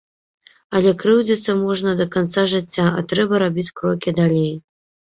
Але крыўдзіцца можна да канца жыцця, а трэба рабіць крокі далей!